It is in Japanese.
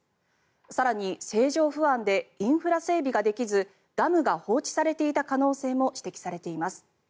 更に、政情不安でインフラ整備ができずダムが放置されていた可能性も指摘されています。